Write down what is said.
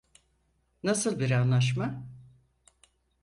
Nasıl bir anlaşma?